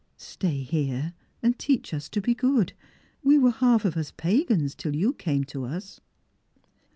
Stay here, and teach us to be good. We were half of us pagans till you came to us."